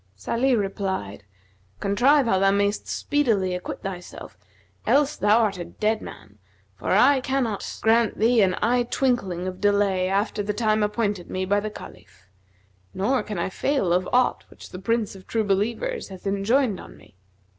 Salih replied, "Contrive how thou mayst speedily acquit thyself, else thou art a dead man; for I cannot grant thee an eye twinkling of delay after the time appointed me by the Caliph; nor can I fail of aught which the Prince of True Believers hath enjoined on me.